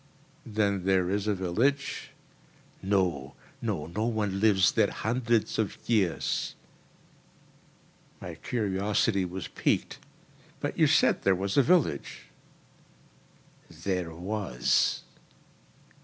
"Then there is a village?" "No, no. No one lives there hundreds of years." My curiosity was piqued, "But you said there was a village." "There was."